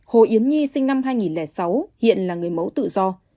hồ yến nhi sinh năm hai nghìn sáu hiện là người mẫu tự do